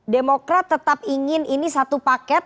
demokrat tetap ingin ini satu paket